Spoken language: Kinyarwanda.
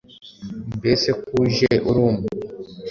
Mbese ko uje uri umwe,